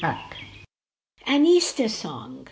43 AN EASTER SONG.